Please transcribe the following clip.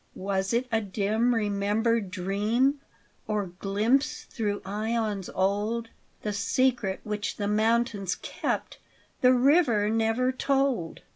Was it a dim remembered dream? Or glimpse through aeons old? The secret which the mountains kept The river never told.